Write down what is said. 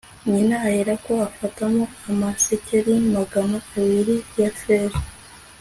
nyina aherako afatamo amasikeli magana abiri ya feza